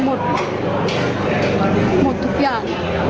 หมดหมดทุกอย่าง